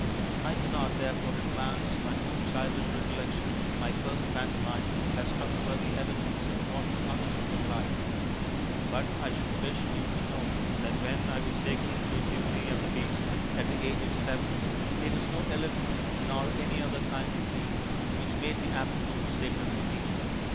I cannot, therefore, advance my own childish recollections of my first pantomime as trustworthy evidence of what other children like. But I should wish you to know that when I was taken to Beauty and the Beast at the age of seven, it was no elephant, nor any other kind of beast, which made the afternoon sacred for me.